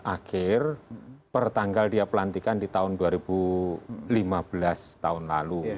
akhir pertanggal dia pelantikan di tahun dua ribu lima belas tahun lalu